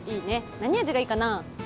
何味がいいかな？